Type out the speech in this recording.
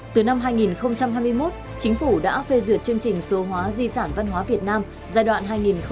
từ năm hai nghìn hai mươi một chính phủ đã phê duyệt chương trình số hóa di sản văn hóa việt nam giai đoạn hai nghìn hai mươi một hai nghìn ba mươi